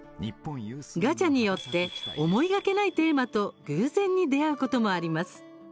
ガチャによって思いがけないテーマと偶然に出会うこともあります。